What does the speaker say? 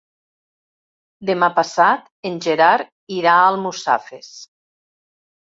Demà passat en Gerard irà a Almussafes.